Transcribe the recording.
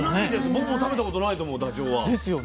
僕も食べたことないと思うダチョウは。ですよね。